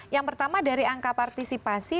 yang pertama dari angka partisipasi